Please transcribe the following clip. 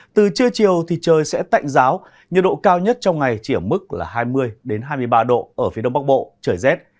từ trưa chiều thì trời sẽ tạnh giáo nhiệt độ cao nhất trong ngày chỉ ở mức là hai mươi hai mươi ba độ ở phía đông bắc bộ trời rét